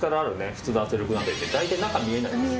普通の圧力鍋って大体中見えないんですよ。